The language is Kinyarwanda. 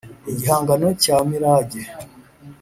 igihangano cya mirage,